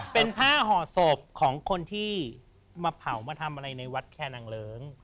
เป็นผ้าห่อศพของคนที่มาเผามาทำอะไรในวัดแค่นางเลิ้ง